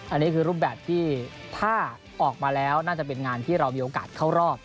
อันนี้คือรูปแบบที่ถ้าออกมาแล้วน่าจะเป็นงานที่เรามีโอกาสเข้ารอบ